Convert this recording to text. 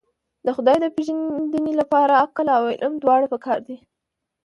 د خدای د پېژندنې لپاره عقل او علم دواړه پکار دي.